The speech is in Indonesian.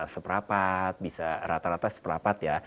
seperapat bisa rata rata seperapat ya